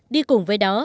đi cùng với đó